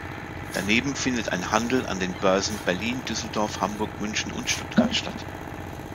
Daneben findet ein Handel an den Börsen Berlin, Düsseldorf, Hamburg, München und Stuttgart statt.